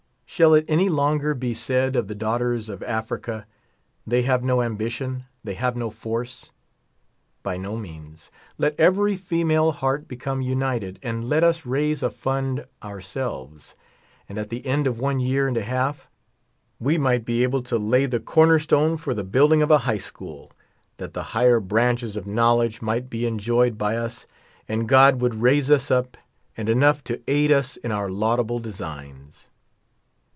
Shall it any longer be said of the daughters of Africa, they have no ambition, they have no force? By no means. Let every female heart become united^ and let us raise a fund ourselves ; and at the end of one year and a half, we might be able to lay the corner stone for the building of a High School, that the higher branches of knowledge might be enjo}' ed b\' us ; and God would raise us up, and enough to aid us in our laudable designs.